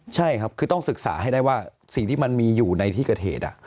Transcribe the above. ใช่ครับคือต้องศึกษาให้ได้ว่าสิ่งที่มันมีอยู่ในที่เกิดเหตุ